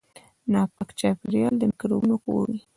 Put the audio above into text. ناپاک چاپیریال د میکروبونو کور وي.